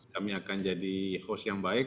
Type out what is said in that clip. kami akan jadi host yang baik